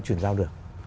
chuyển giao được